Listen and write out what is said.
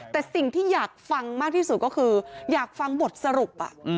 แต่สิ่งที่อยากฟังมากที่สุดก็คืออยากฟังบทสรุป